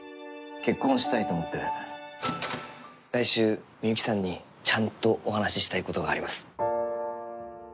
結婚したいと思ってる来週みゆきさんにちゃんとお話ししたいことがあります